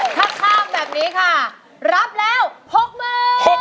ถ้าข้ามแบบนี้ค่ะรับแล้ว๖หมื่น